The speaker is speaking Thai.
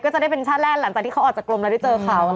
ก็จะได้เป็นชาติแรกหลังจากที่เขาออกจากกรมแล้วได้เจอเขา